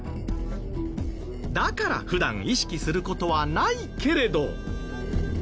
だから普段意識する事はないけれど。